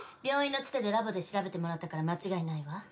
病院のツテでラボで調べてもらったから間違いないわ。